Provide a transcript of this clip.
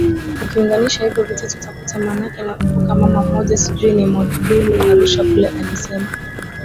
ukiuganisha hivo vitatu utakuta manake nakumbuka mama mmoja sijui ni moduli arusha kule alisema